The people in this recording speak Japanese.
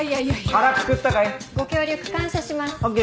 腹くくったかい？ご協力感謝します。ＯＫ